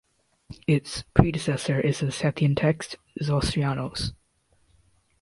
Its predecessor is the Sethian text, "Zostrianos".